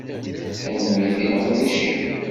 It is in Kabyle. Tanemmirt i leqdic-im